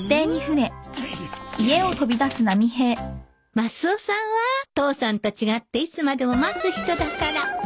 マスオさんは父さんと違っていつまでも待つ人だから